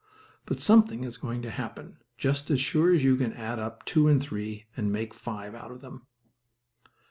But something is going to happen, just as sure as you can add up two and three and make five out of them.